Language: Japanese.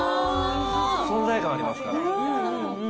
存在感ありますから。